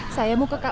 saya mau ke kua